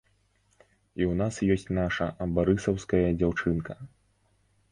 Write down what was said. І ў нас ёсць наша, барысаўская дзяўчынка.